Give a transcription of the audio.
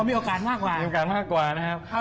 มีโอกาสมากกว่า